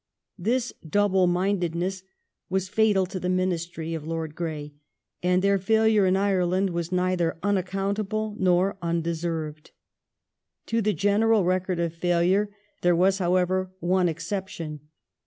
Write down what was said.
This double mindedness was fatal to the Ministry of Lord Grey, and their failure in Ireland was neither unaccountable nor undeserved. To the general record of failure there was, how ever, one exception.